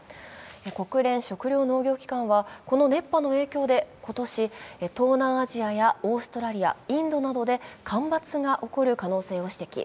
国連食糧農業機関は、この熱波の影響で今年、東南アジアやオーストラリア、インドなどで干ばつが起こる可能性を指摘。